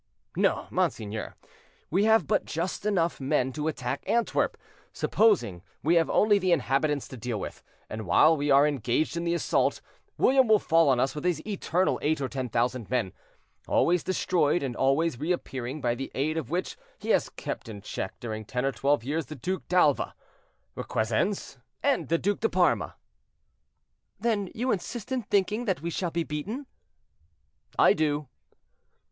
"No, monseigneur, we have but just men enough to attack Antwerp, supposing we have only the inhabitants to deal with; and while we are engaged in the assault, William will fall on us with his eternal eight or ten thousand men, always destroyed and always reappearing by the aid of which be has kept in check during ten or twelve years the Duc d'Alva, Requesens, and the Duc de Parma." "Then you persist in thinking that we shall be beaten?" "I do."